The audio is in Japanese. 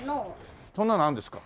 そんなのあるんですか。